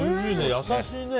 優しいね。